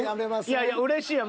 いやいやうれしいわ。